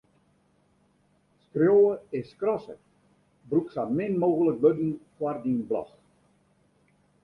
Skriuwe is skrasse: brûk sa min mooglik wurden foar dyn blog.